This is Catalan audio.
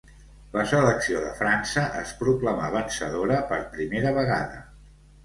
La selecció de França es proclamà vencedora per primera vegada.